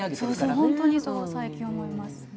本当にそれは最近、思います。